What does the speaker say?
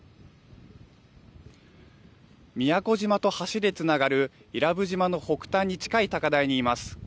宮古島と橋でつながる伊良部島の北端に近い高台にいます。